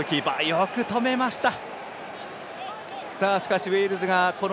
よく止めました。